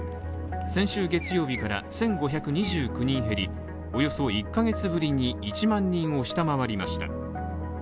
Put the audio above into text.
先週月曜日から１５２９人減りおよそ１カ月ぶりに１万人を下回りました。